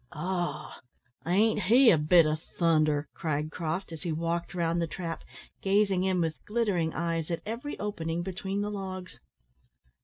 "Oh! ain't he a bit o' thunder?" cried Croft, as he walked round the trap, gazing in with glittering eyes at every opening between the logs.